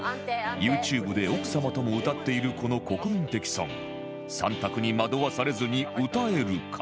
ＹｏｕＴｕｂｅ で奥様とも歌っているこの国民的ソング三択に惑わされずに歌えるか？